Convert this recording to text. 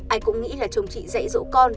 ai cũng nghĩ là chồng chị dậy dỗ con